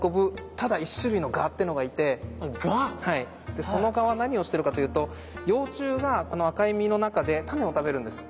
でその蛾は何をしてるかというと幼虫があの赤い実の中でタネを食べるんです。